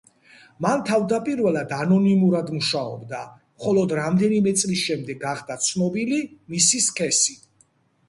მან თავდაპირველად ანონიმურად მუშაობდა, მხოლოდ რამდენიმე წლის შემდეგ გახდა ცნობილი მისი სქესი.